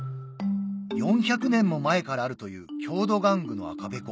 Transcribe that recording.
４００年も前からあるという郷土玩具の赤べこ